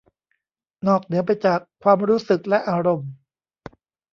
นอกเหนือไปจากความรู้สึกและอารมณ์